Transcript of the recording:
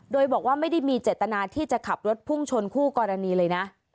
โดยบอกว่าไม่ได้มีเจตนาที่จะขับรถพุ่งชนคู่กรณีเลยนะ